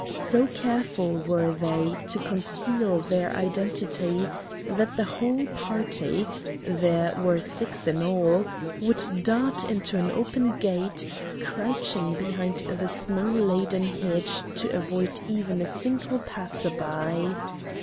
So careful were they to conceal their identity that the whole party there were six in all would dart into an open gate, crouching behind the snow laden hedge to avoid even a single passer by.